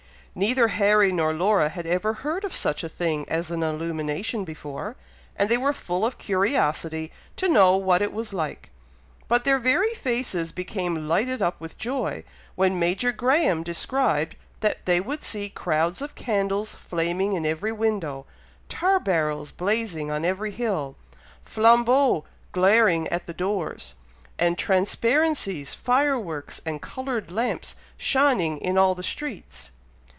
Neither Harry nor Laura had ever heard of such a thing as an illumination before, and they were full of curiosity to know what it was like; but their very faces became lighted up with joy, when Major Graham described that they would see crowds of candles flaming in every window, tar barrels blazing on every hill, flambeaux glaring at the doors, and transparencies, fire works, and coloured lamps shining in all the streets.